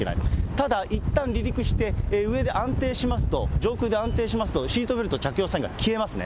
ただ、いったん離陸して上で安定しますと、上空で安定しますと、シートベルト着用サインが消えますね。